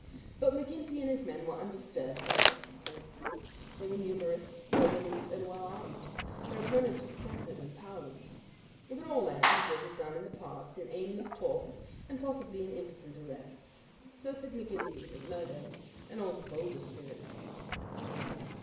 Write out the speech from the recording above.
But McGinty and his men were undisturbed by such reports. They were numerous, resolute, and well armed. Their opponents were scattered and powerless. It would all end, as it had done in the past, in aimless talk and possibly in impotent arrests. So said McGinty, McMurdo, and all the bolder spirits.